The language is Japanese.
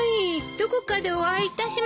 どこかでお会いいたしました？